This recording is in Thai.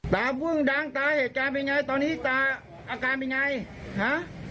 ตาเพิ่งดังตาเหตุการณ์เป็นไงตอนนี้ตาอาการเป็นไงฮะ